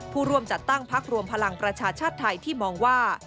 ผู้ร่วมจัดตั้งพักรวมพลังประชาชาติไทยที่มองว่า